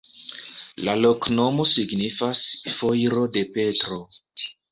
La loknomo signifas: foiro de Petro.